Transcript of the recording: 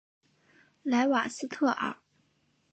莱瓦斯特尔。